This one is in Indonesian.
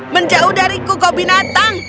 menjauh dari koko binatang